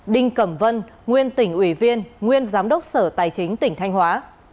đinh cẩm vân nguyên tỉnh ủy viên nguyên giám đốc sở tài chính tỉnh thanh hóa